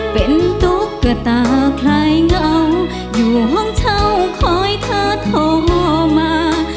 เป็นตุ๊กตาใครเหงาอยู่ห้องเช่าคอยเธอโทรมา